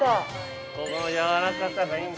◆このやわらかさがいいんだ。